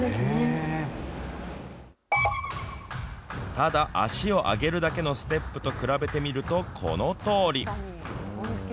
ただ足を上げるだけのステップと比べてみるとこのとおり。